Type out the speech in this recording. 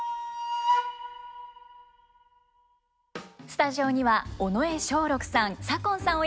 スタジオには尾上松緑さん左近さん